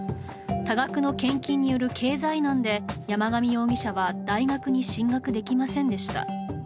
多額の献金による経済難で山上容疑者は大学に進学できませんでした。